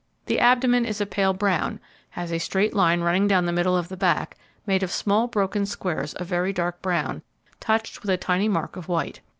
The abdomen is a pale brown, has a straight line running down the middle of the back, made up of small broken squares of very dark brown, touched with a tiny mark of white.